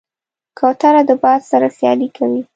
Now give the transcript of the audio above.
کوتره د باد سره سیالي کوي.